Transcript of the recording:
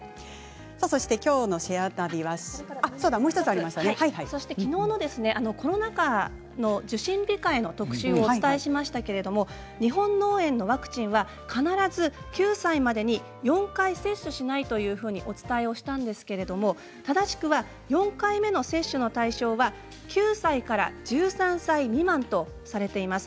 そしてきょうの「シェア旅」はきのうのコロナ禍の受診控えの特集をお伝えしましたけれども日本脳炎のワクチンは必ず９歳までに４回接種しないというふうにとお伝えしたんですけれども正しくは４回目の接種の対象は９歳から１３歳未満とされています。